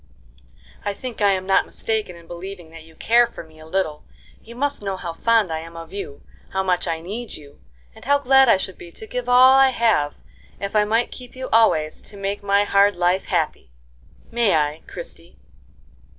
"I think I am not mistaken in believing that you care for me a little. You must know how fond I am of you, how much I need you, and how glad I should be to give all I have if I might keep you always to make my hard life happy. May I, Christie?"